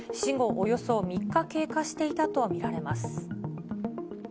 およそ３日経過していたと見られます。